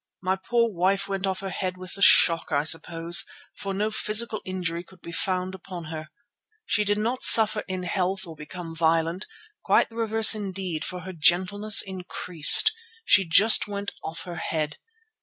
My poor wife went off her head, with the shock I suppose, for no physical injury could be found upon her. She did not suffer in health or become violent, quite the reverse indeed for her gentleness increased. She just went off her head.